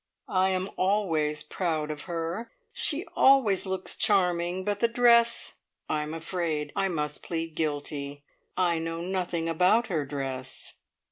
"I am always proud of her. She always looks charming; but the dress I am afraid I must plead guilty. I know nothing about her dress."